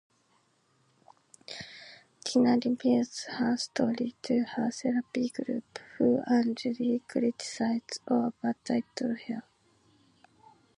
Tina reveals her story to her therapy group, who angrily criticize or belittle her.